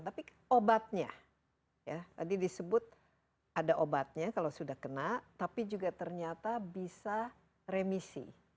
tapi obatnya ya tadi disebut ada obatnya kalau sudah kena tapi juga ternyata bisa remisi